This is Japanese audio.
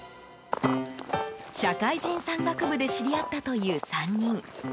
社会人山岳部で知り合ったという３人。